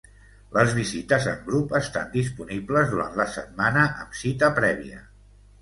Les visites en grup estan disponibles durant la setmana amb cita prèvia.